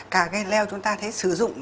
cà gai leo chúng ta thấy sử dụng